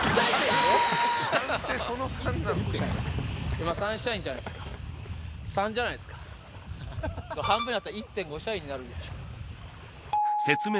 今サンシャインじゃないすか３じゃないすか半分になったら１．５シャインになるでしょ